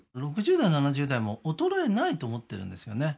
６０代７０代も衰えないと思ってるんですよね